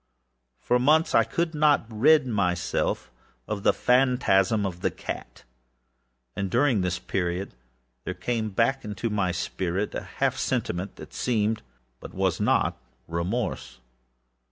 For months I could not rid myself of the phantasm of the cat; and, during this period, there came back into my spirit a half sentiment that seemed, but was not, remorse.